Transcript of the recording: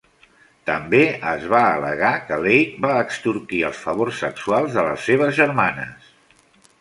També es va al·legar que Lake va extorquir els favors sexuals de les seves germanes.